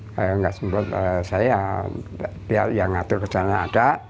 kalau tidak sempat saya biar yang ngatur ke sana ada